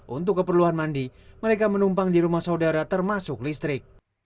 untuk keperluan mandi mereka menumpang di rumah saudara termasuk listrik